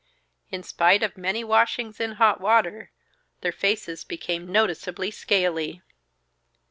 In spite of many washings in hot water, their faces became noticeably scaly.